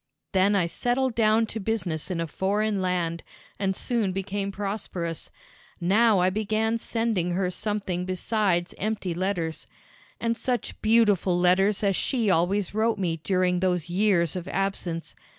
"Then I settled down to business in a foreign land, and soon became prosperous. Now I began sending her something besides empty letters. And such beautiful letters as she always wrote me during those years of absence.